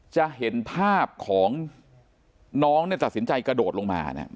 จะเห็นภาพของน้องเนี่ยตัดสินใจกระโดดลงมาเนี่ย